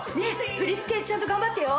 振り付けちゃんと頑張ってよ。